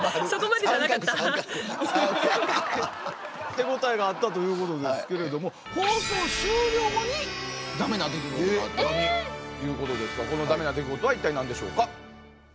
手応えがあったということですけれども放送終了後にだめな出来事があったいうことですがこのだめな出来事は一体何でしょうか？